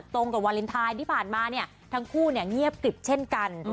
ตรงกับวาเลนไทยที่ผ่านมาเนี่ยทั้งคู่เงียบกริบเช่นกัน